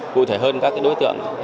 cụ thể hơn các cái đối tượng để bảo vệ